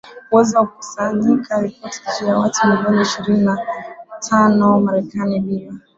uwezo wa kukusanyika ripoti juu ya watu milioni ishirini na tano wa Marekani Bila